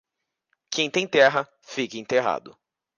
Quem tem terra, fica enterrado.